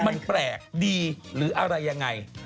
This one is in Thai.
มันแปลกดีหรืออะไรยังไง